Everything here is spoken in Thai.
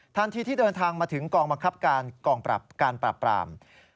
ทันทีที่เดินทางมาถึงกองบังคับการกองการปราบปราม